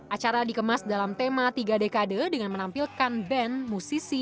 acara dikemas dalam tema tiga dekade dengan menampilkan band musisi